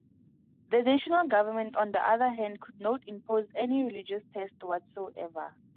The national government, on the other hand, could not impose any religious test whatsoever.